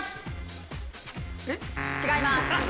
違います。